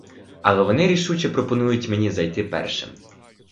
Але вони рішуче пропонують мені зайти першим.